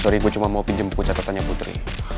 sorry gue cuma mau pinjem buku catatannya putri